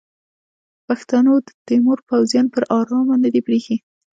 پښتنو د تیمور پوځیان پر ارامه نه دي پریښي.